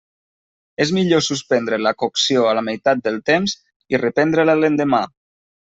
És millor suspendre la cocció a la meitat del temps i reprendre-la l'endemà.